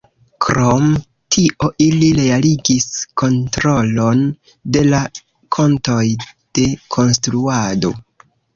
Krom tio ili realigis kontrolon de la kontoj de konstruado.